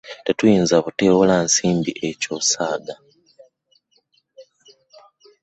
Tetuyinza buteewola nsimbi, ekyo osaaga.